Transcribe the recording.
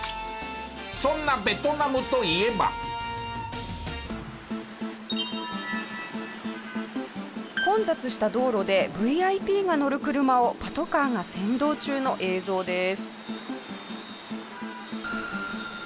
そんな混雑した道路でＶＩＰが乗る車をパトカーが先導中の映像です。